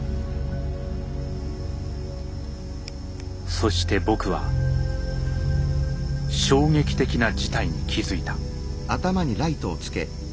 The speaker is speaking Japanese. そして僕は衝撃的な事態に気づいた。